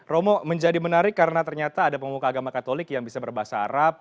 romo menjadi menarik karena ternyata ada pemuka agama katolik yang bisa berbahasa arab